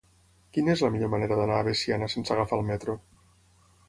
Quina és la millor manera d'anar a Veciana sense agafar el metro?